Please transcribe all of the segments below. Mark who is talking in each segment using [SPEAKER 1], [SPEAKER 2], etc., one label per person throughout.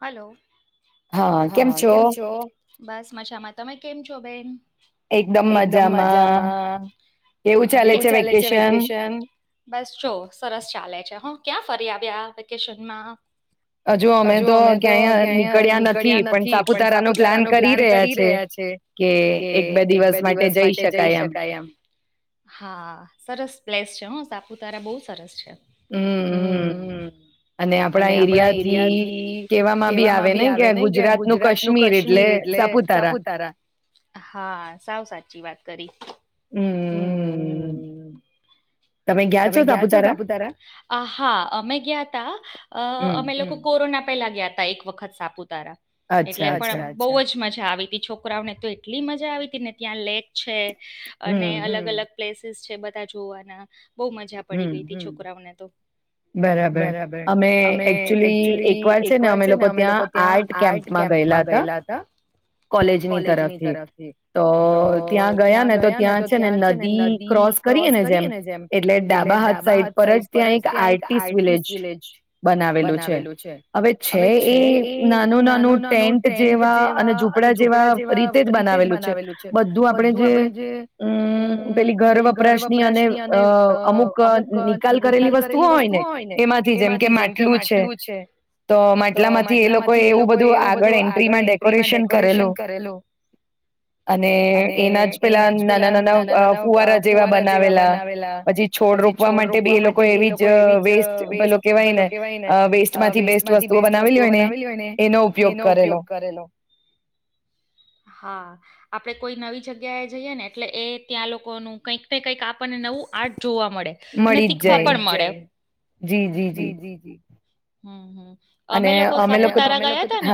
[SPEAKER 1] Hello હા કેમ છો બસ મજામાં તમે કેમ છો બેન? એકદમ મજામાં કેવું ચાલે છે વેકેશન બસ જો સરસ ચાલે છે હ ક્યાં ફરી આવ્યા વેકેશનમાં હજુ અમે તો ક્યાય નીકળ્યા નથી પણ સાપુતારા નો પ્લાન કરી રહ્યા છે કે એક બે દિવસ માટે જઈ શકાય એમ હા સરસ પલેસ છે હ સાપુતારા બઉુ સરસ છે
[SPEAKER 2] હમ હમ અને આ
[SPEAKER 1] અને આપણા એરિયા થી કેવામાં બી આવે ને કે ગુજરાત નું કાશ્મીર એટલે સાપુતારા હા, સાવ સાચી વાત કરી. હમ તમે ગયા છો તપુતારા હા અમે ગયા તા અમે લોકો કોરોના પહેલા ગયા હતા એક વખત સાપુતારા એટલે પણ બહુ જ મજા આવી છોકરાઓને તો એટલી મજા આવી હતી ને ત્યાં લેક છે અને અલગ અલગ પ્લેસીસ છે બધા જોવાના બહુ મજા પડી ગઈ હતી છોકરાઓને તો
[SPEAKER 2] બરાબર અમે
[SPEAKER 1] અમે એકચુલી એક વાર છે ને અમે લોકો ત્યાં આર્ટ કેમ્પમાં ગયેલા હતા
[SPEAKER 2] કોલેજની તરફથી તો ત્યાં ગયા ને તો ત્યાં છે ને નદી ક્રોસ કરીએ ને જેમ એટલે ડાબા હાથ સાઈડ પર જ ત્યાં એક આર્ટીિસ વિલેજ બનાવેલું છે હવે છે એ નાનું નાનું ટેન્ટ જેવા અને કડા જેવા રીતે જ બનાવેલું છે બધું આપણે જે અમ પેલી ઘર વપરાશની અને અ અમુક નિકાલ કરેલી વસ્તુઓ હોય ને એમાંથી જેમ કે માટલું છે તો માટલા માંથી એ લોકો એવું બધું આગળ એન્ટ્રી માં ડેકોરેશન કરેલો અને એના જ પેલા નાના-નાના આ ફુવારા જેવા બનાવેલા, પછી છોડ રોપવા માટે બી એ લોકો એવી જ અહ વેસ્ટ પેલો
[SPEAKER 1] પેલો કેવાય ને અહ વેસ્ટ માંથી બેસ્ટ વસ્તુઓ બનાવેલી હોય ને એનો ઉપયોગ કરેલો. હા. આપડે કોઈ નવી જગ્યાએ જઈએ ને એટલે એ ત્યાં લોકોનું કંઈક ને કંઈક આપણને નવું આર્ટ જોવા મળે, અને શીખવા પણ મળે. જી-જી-જી. હમ્મ-હમ્મ. અમે લોકો સાપુતારા ગયા તા ને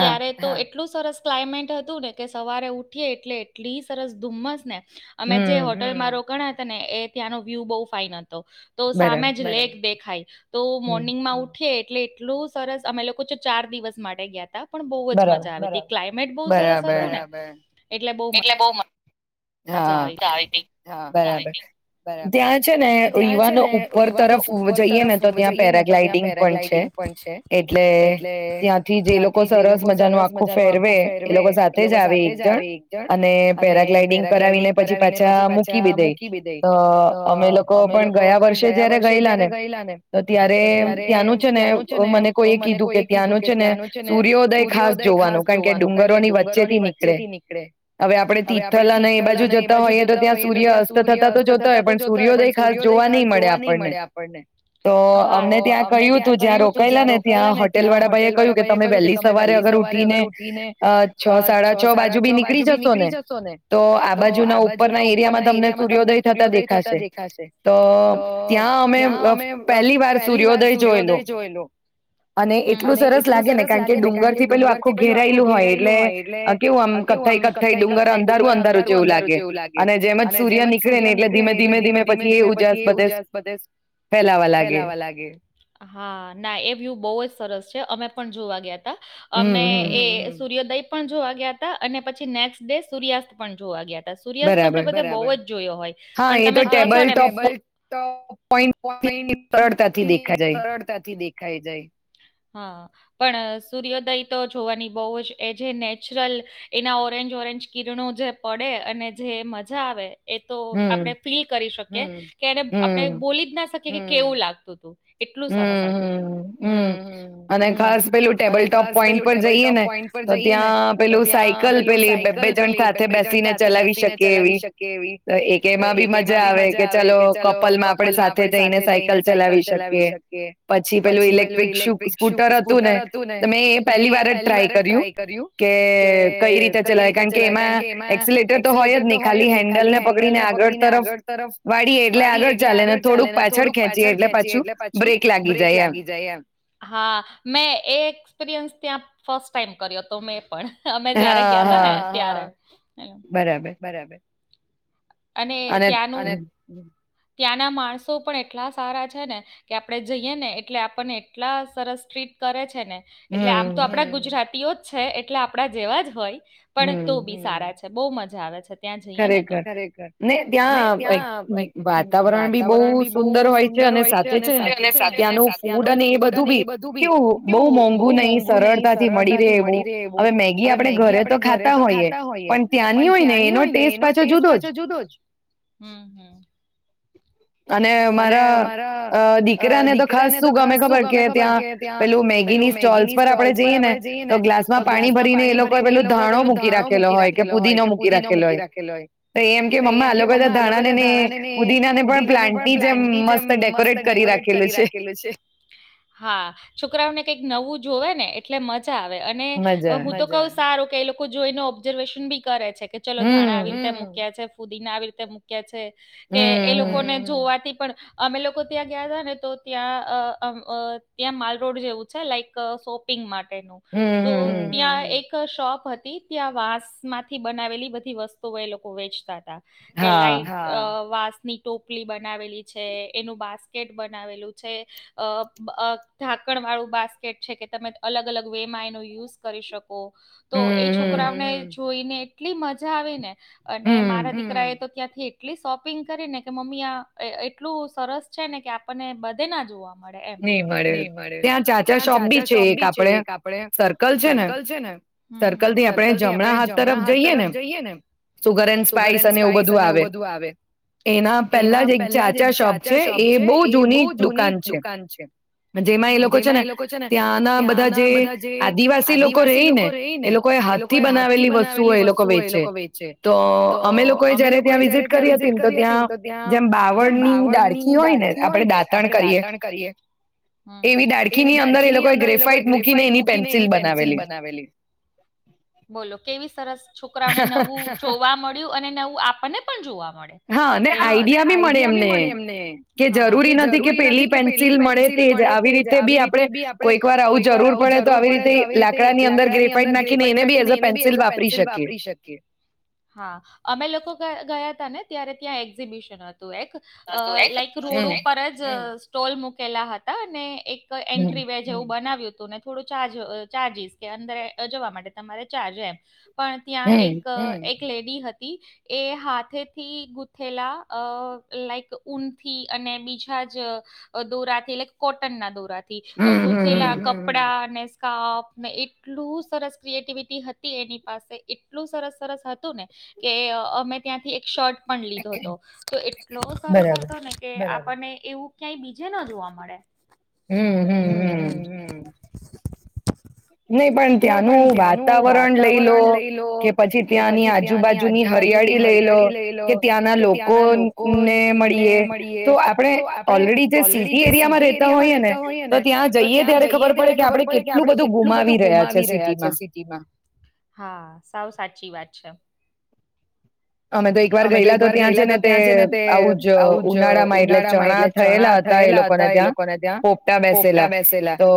[SPEAKER 1] ત્યારે તો એટ એટલું સરસ ક્લાઇમેટ હતું ને કે સવારે ઉઠીએ એટલે એટલી સરસ ધુમ્મસ ને અમે જે હોટેલમાં રો કાણા હતા ને એ ત્યાંનો વ્યુ બહુ ફાઇન હત તો, તો સામે જ લેક દેખ ખાય. તો મોર્નિંગમાં ઉઠ્યે એટલે એટલું સરસ અમે લોકો જો ચાર દિવસ માટે ગયા તા. પણ બહુ જ મજા આવી તી. ક્લાઇમેટ બહુ સરસ હતું ને
[SPEAKER 2] એટલે બહુ મ હા બરાબર. ત્યાં છે ને યુવાનો ઉપર તરફ જઈએ ને તો ત્યાં પેરાગ્લાઈડિંગ પણ છે. એટલે ત્યાંથી જે લોકો સરસ મજાનું આખું ફેરવે એ લોકો સાથે જ આવે એક જણ અને પેરાગ્લાઈડિંગ કરાવીને પછી પાછા મૂકી બી દઈ તો અમે લોકો પણ ગયા વર્ષે જયારે ગયેલા ને તો ત્યારે ત્યાંનું છે ને મને કોઈ એ કીધું કે ત્યાંનું છે ને સૂર્યોદય ખાસ જોવાનું કારણ કે ડુંગરોની વચ્ચે થી નીકળે. હવે આપણે તીથલ અને બાજુ જતા હોઈએ તો ત્યાં સૂર્ય અસ્ત થતા તો જોતા હોય પણ સૂર્યોદય ખાસ જોવા નહી મળે આપણને. તો અમને ત્યાં કહ્યું તું જ્યાં રોકાયેલા ને ત્યાં હોટેલ વાળા ભાઈએ કહ્યું કે તમે વહેલી સવારે અગર ઉઠીને અ છ સાડા છ બાજુ બી નીકળી જશો ને તો આ બાજુના ઉપરના એરિયામાં તમને સૂર્યોદય થતા દેખાશે તો ત્યાં અ
[SPEAKER 1] અંધારું અંધારું જેવું લાગે અને જેમ જ સૂર્ય નીકળે ને એટલે ધીમે ધીમે ધીમે પછી એ ઉજાસ બધ ફેલાવા લાગે. હા ના એ વ્યુ બહ જ સરસ છે અમે પણ જોવા અમે એ સૂર્યોદય પણ જોવા ગયા તા અને પછી નેક્સ ડે સૂર્યાસ્ત પણ જોવા ગયા સૂર્યાસ્ત આપડે બધા બવ જ જોયો હોય પણ તમે કયો છો ને હા. પણ સૂર્યોદય તો જોવાની બહુ જ એ જે નેચરલ એના ઓરેન્જ ઓરેન્જ કિરણો જે પડે અને જે મજા આવે એ તો આપણે ફીલ કરી શક કે ક્યારે આપડે બોલી જ ના શકીએ. કેકે કેવું લાગતું તું
[SPEAKER 2] હમ્મ હમ્મ હમ્મ અને ખાસ પેલું ટેબલ ટોપ પોઈન્ટ પર જઈએ ને તો ત્યાં પેલું સાયકલ પેલી બે-બે જણ સાથે બેસ સીને ચલાવી શકીએ એવી એક એમાં બી મજા આવે કે ચલો કપલમાં આપણે સાથે જઈને સાયકલ ચલાવી શકીએ. કે પછી પેલું ઇલેક્ટ્રિક શું સ્કૂટર હતું ને તો મેં એ પહેલી વાર જ ટ્રાય કર્યું કે કઈ રીતે ચલાવે કારણ કે એમાં
[SPEAKER 1] કે એમાં એક્સલેટર તો હોય જ નહી ખાલી હેન્ડલ ને પકડી ને આગળ તરફ વાળીએ એટલે આગળ ચાલે ને થોડુંક પાછળ ખેંચીએ એટલે પાછ જુ બ્રેક લાગી જાય એમ. હા મેં એ એક્સપિરિયન્સ ત્યાં ફસ્ટ ટાઈમ કર્યો હતો મેં પણ. અમે જયારે ગયા તા ને ત્યારે.
[SPEAKER 2] બરાબર.
[SPEAKER 1] અને ત્યાંનું ત્યાંના માણસો પણ એટલા સારા છે ને કે આપડે જઈએ ને એટલે આપણને એટલા સરસ ટ્રીટ કરે છે. ને એટલે આમ તો આપણા ગુજરાત તીયોજ છે એટલે આપણા જેવા જ હોય. પણ તો બી સારા છે. બોવ મજા આવે છે ત્યાં જઈએ ને તો.
[SPEAKER 2] ને ત્યાં વાતાવરણ એક બી બઉ સુંદર હોય છે, અને સાથે છે ત્યાંનું ફૂડ અને એ બધું બી કેવું બહુ મોંઘું નહી સરળતાથી મળી રહે એવું, હવે મેગી આપણે ઘરે તો ખાતા હોઈએ, પણ ત્યાંની હોય ને એનો ટેસ્ટ પાછો જુદો જ.
[SPEAKER 1] જુદો જ. હમ્મ-હમ્મ.
[SPEAKER 2] અને મારા અહ દીકરાને તો ખાસ શું ગમે ખબર કે, ત્યાં પેલું મેગીની સ્ટોલ્સ પર આપણે જઈએ ને તો ગ્લાસ માં પાણી ભરીને એ લોકોએ પેલું ધાણો મૂકી રાખેલો હોય, કે પુદીનો મૂકી રાખેલો હોય. તો એમ કે મમ્મા આ લોકો એ તો ધાણા ને ને પુદીના ને પણ પ્લાન્ટની
[SPEAKER 1] હા છોકરાવ ને કંઈક નવું વું જોવે ને એટલે મ [unintelligible] આવે, અને હું તો કહું સારું કે એ લોકો જો એનો ઓબ્ઝર્વેશન બી કરે છે કે ચલો ધાણા આવી રીતે મૂક્યા છે પુદીના આવી રીતે મૂક્યા છે કે એ લોકોને જોવા [unintelligible] પણ અમે લોકો ત્યાં ગયાતા ને તો ત્યાં અહ અમ અહ ત્યાં માલ રોડ જેવું છે, લાઈક શોપિંગ માર્ટ તેનો તો ત્યા એક ક શોપ હતી ત્યાં વાસ માંથી બનાવેલી બધી વસ્તુઓ એ લોકો વેચતા તા. કે લાઇક અહ વાસ ની ટોપલી બનાવેલી છે, એનું બાસ્કેટ બનાવેલું છે, અહ બ અહ ઢાકણ વાળું બાસ્કેટ છે કે તમે અલગ અલગ વે માં એનો યુઝ કરી શક કોણતો એ છોકરાઓને જોઈ ને એટલી મજા આવી ને અને મારા દીકરા એ તો ત્યાં કે એટલી શોપિંગ કરી ને કે મમ્મી આ એ એ એટલું સરસ છે ને કે આપણને બધે ના જોવા મેડ એમ. નહીં મળે. ત્યાં ચાચા શોપ બી છે એક આપણે સર્કલ છે ને સર્કલ થી આપડે જમણા હાથ તરફ જઈએ ને સુગર એન્ડ સ્પાઈસ અને એવું બધું આવે એના પેલા જ એક
[SPEAKER 2] છે એ બહુ જૂની દુકાન છે. જેમાં એ લોકો છે ને ત્યાંના બધા જે આદિવાસી લોકો રહી ને એ લોકોએ હાથ થી બનાવેલી વસ્તુઓ એ લોકો વેચે તો અમે લોકોએ જયારે ત્યાં વિઝિટ કરી હતી ને તો ત્યાં જેમ બાવળની દાળકી હોય ને આપડે દાંતણ કરીએ
[SPEAKER 1] હા. બોલો કેવી સરસ છોકરાઓને નવું જોવા મળ્યું અને નવું આપણને પણ જોવા મળે હા અને આઈડિયા બી મળે કે જરૂરી નથી કે પેલી પેન્સિલ મળે તે આવી રીતે બી આપે કોઈક વાર આવું જરૂર પડે તો આવી રીતે લાકડાની અંદર ગ્રેફાઈડ નાખીને એને બી એઝ અ પેન્સિલ વાપરી શકીએા અમે લોકો ને ત્યારે ત્યાં એક્ઝિબિશન હતું એક અ લાાઈક રોડ ઉપર જ સ્ટોલ મૂકેલા હતા અને એક એન્ટ્રી વે જેવું બનાવ્યું તું ને થોડું ચાર્જ ચાર્જસ કે અંદર જવા માટે તમારે ચાર્જ એમ પણ ત્યાં એક એક લેડી હતી એ હાથેથી ગૂથેલા અ લાઈક ઊનથી અને બીજા જ દોરાથી એલે કોટન ના દોરા થી અ ગૂથેલા કપડા ને સ્કાફને એટલું સરસ ક્રિએટિવિટી હતી એની પાસે એટલું સરસ સરસ હતું ને કે અમે ત્યાંથી એક શર્ટ પણ લીધો હતો તો એટલો [unintelligible] આપણને એવું ક્યાંય બીજે ન જોવા મળે.
[SPEAKER 2] હમ હમ હમ નહી પણ ત્યાંનું વાતાવરણ લઈ લો કે પછી ત્યાંની આજુબાજુની હરિયાળી લઈ લો કે ત્યાંના લોકો ને મળીએ તો આપણે ઓલરેડી જે સીટી એરિયામાં રેતા હોઈએ ને તો ત્યાં જઈએ ત્યારે ખબર પડે કે આપડણે કેટલું બધું [unintelligible]
[SPEAKER 1] ગુમાવી રહ્યા છે સિટીમાં હા સાવ સાચી વાત છે.
[SPEAKER 2] અમે તો એક વાર ગયેલા તો ત્યાં છે ને તે આવું જ ઉનાળા માં એટલે ચણા થયેલા હતા એ લોકોને ત્યાં પોપટા બેસેલા તો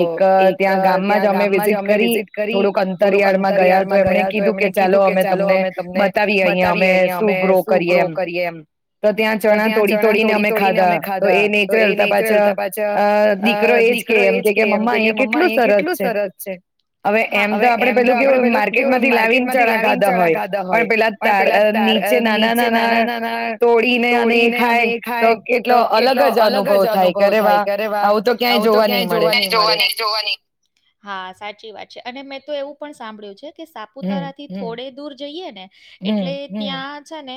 [SPEAKER 2] એક ત્યાં ગામમાં જ અમે વિઝિટ કરી થોડુંક અંતરિયાળમાં ગયા તો એમણે કીધું કે ચાલો અમે તમને બતાવીએ અહીયા અમે શું ગ્રો કરીએ એમ તો ત્યાં ચણા તોડી તોડીને અમે ખાધા તો એ નેચરલ હતા પાછા અ દીકરો એજ કે એમ કે મમ્મા અહીયા કેટલું સરસ
[SPEAKER 1] [inaudible] [inaudible] હા સાચી વાત છે અને મેં તો એવું પણ સાંભળ્યું છે. કે સાપુતારા થી થોડે દૂર જોઈએ ને એટલે ત્યાં છે ને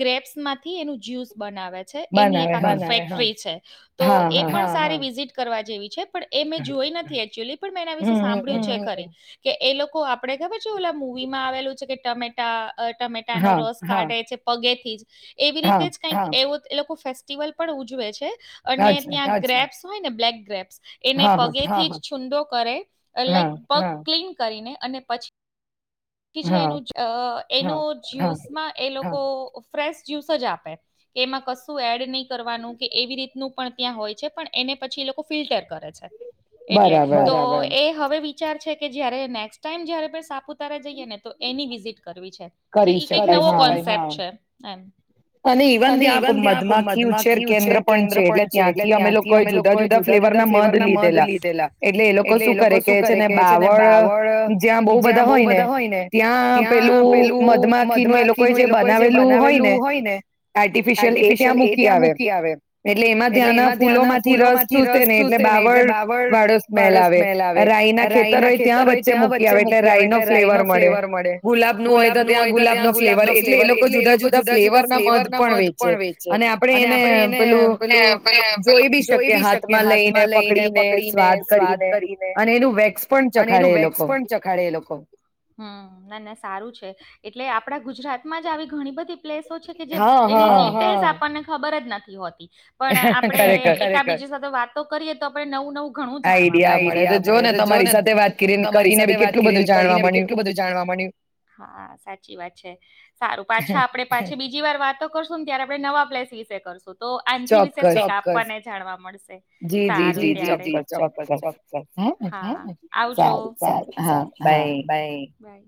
[SPEAKER 1] ગ્રેપસ માંથી એનું જ્યુસ બનાવે છે એની એક આખી ફેકટરી છે તો એ પણ સારી વિઝિટ કરવા જેવી છે. પણ એ મેં જોઈ નથી ની પણ મેં એના વિશે સાંભળ્યું છે ખરી કે એ લોકો આપડે ખબર છે ઓલા મુવીમાં આવેલું છે કે ટમેટા અ ટમેટા નો રસ કાઢે છે. પગેથી જ. એવી રીતે જ કઈક એવું એ લોકો ફેસ્ટિવલ પણ ઉજવે છે. અને ત્યાં ગ્રેપ્સ હોય ને બ્લેક ગ્રેપસ. એને પગેથી જ છુન્દો કરે. લાઈક પગ ક્લીન કરીને અને પછી કે જે એનું અ એનો જ્યુસમાં એ લોકો હા. લોકો ફ્રેશ જ્યુસ જ આપે કે એમાં કશું એડ નહી કરવાનું કે એવી રીતનું પણ ત્યાં હોય છે પણ એને પછી એ લોકો ફિલ્ટર કરે છે. એટલે તો એ હવે વિચાર છે કે જયારે નેક્સ્ટ ટાઈમ જયારે પણ સાપુતારા જઈએ ને તો એની વિઝિટ કરવી છે. કે કઈક નવો કોન્સેપ્ટ છે. એમ.
[SPEAKER 2] અને ઇવન ત્યાં મધમાખી ઉછેર કેન્દ્ર પણ છે એટલે ત્યાંથી અમે લોકોએ જુદા જુદા ફ્લેવર ના મધ લીધેલા. એટલે એ લોકો શું કરે કે છે ને બાવળ જ્યાં બહુ બધા હોય ને ત્યાં પેલું મધમાખીનું એ લોકોએ જે બનાવેલું હોય ને આર્ટિફિશિયલ એ ત્યાં મૂકી આવે એટલે એમાં ત્યાંના ફૂલો માંથી રસ ચૂસે ને એટલે બાવળ વા હડ સ્મેલ આવે. રાય ના ખેતર હોય ત્યાં વચ્ચે મૂકી આવે એટલે રાય નો ફ્લેવર મળે. ગુલાબ નો હોય તો ત્યાં ગુલાબ નો ફ્લેવર એટલે એ લોકો જુદા જુદા ના મધ પણ વેચે અને આપડે એને પેલું પેલું જોઈ બી શકીએ હાથમાં લઈને પકડીને
[SPEAKER 1] ને સ્વાદ કરીને અને એનું વેસ પણ ચખાડે એ લોકો. હ ના ના સારું છે. એટલે આપડા ગુજરાત માં જ આવી ઘણી બધી પ્લેસો છે કે જે એની રીતેજ આપણ ને ખબર જ નથી હોતી. પણ આપડે એકા બીજે સાથે વાતો કરીએ તો આપડે નવું નવું જાણવા મળ્યું. આઇડિય મળે તો જો ને તમારી સાથે વાત કરી કરીને બી કેટલું જાણવા મળ્યું. હા સાચી વાત છે. સારું પાછા આપડે પાછી બીજી વાર વાતો કરશુ ને ત્યારે આપડે નવ આપલે સીસે કરશું. તો આથી વિશેસ કંઈક આપણ ને જાણવા મળશે સારું ત્યારે. ચોક્કસ ચોક્કસ હા સારું સારુ હા બાય. બાય.